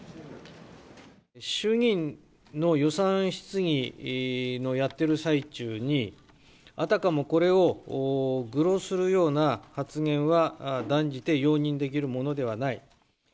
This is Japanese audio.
衆議院の予算質疑のやってる最中に、あたかもこれを愚弄するような発言は、断じて容認できるものではない。